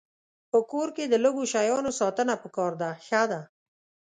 په کور کې د لږو شیانو ساتنه پکار ده ښه ده.